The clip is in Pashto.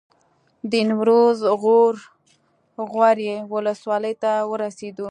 د نیمروز غور غوري ولسوالۍ ته ورسېدو.